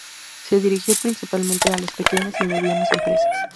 Se dirigió principalmente a las pequeñas y medianas empresas.